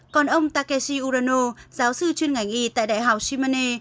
còn ông takeshi urano giáo sư chuyên ngành y tại đại học shimane